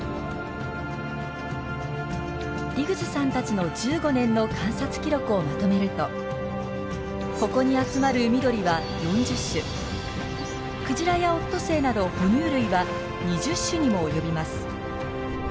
リグズさんたちの１５年の観察記録をまとめるとここに集まる海鳥は４０種クジラやオットセイなど哺乳類は２０種にも及びます。